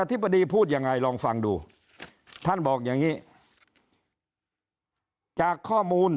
ธิบดีพูดยังไงลองฟังดูท่านบอกอย่างนี้จากข้อมูล